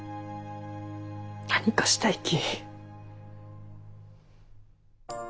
何かしたいき。